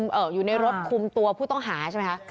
ปลิวอยู่ในรถคลุมตัวผู้ต้องหาใช่ไหม